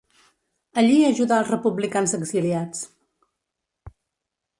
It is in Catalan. Allí ajudà als republicans exiliats.